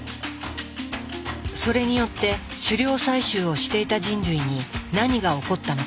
それによって狩猟採集をしていた人類に何が起こったのか。